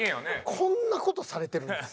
こんな事されてるんです。